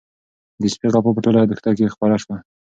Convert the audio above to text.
د سپي غپا په ټوله دښته کې خپره شوه.